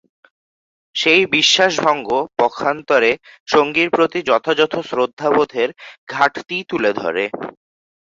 সেই বিশ্বাস ভঙ্গ পক্ষান্তরে সঙ্গীর প্রতি যথাযথ শ্রদ্ধাবোধের ঘাটতিই তুলে ধরে।